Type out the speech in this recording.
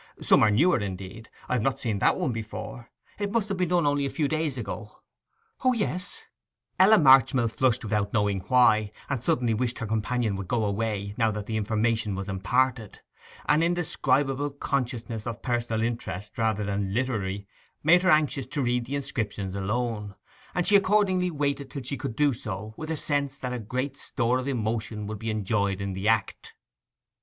Some are newer; indeed, I have not seen that one before. It must have been done only a few days ago.' 'O yes! ...' Ella Marchmill flushed without knowing why, and suddenly wished her companion would go away, now that the information was imparted. An indescribable consciousness of personal interest rather than literary made her anxious to read the inscription alone; and she accordingly waited till she could do so, with a sense that a great store of emotion would be enjoyed in the act.